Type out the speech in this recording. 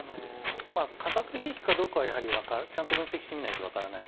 化学兵器かどうかは、やはりちゃんと分析してみないと分からない。